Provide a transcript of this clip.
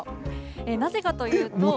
なぜかというと。